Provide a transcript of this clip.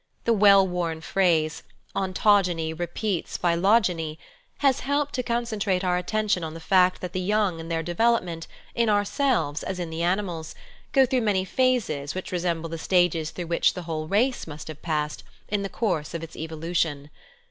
The well worn phrase " Ontogeny repeats Phylo geny " has helped to concentrate our attention on the fact that the young in their development, in ourselves as in the animals, go through many phases which resemble the stages through which the whole race must have passed in the course of its evolution.